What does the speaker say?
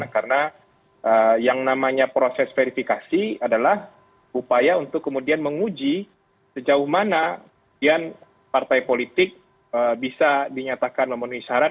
karena yang namanya proses verifikasi adalah upaya untuk kemudian menguji sejauh mana yang partai politik bisa dinyatakan memenuhi syarat